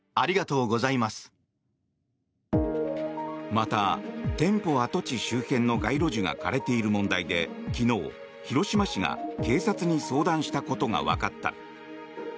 また、店舗跡地周辺の街路樹が枯れている問題で昨日、広島市が警察に相談したことがわかった。